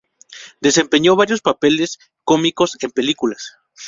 Desempeñó varios papeles cómicos en películas.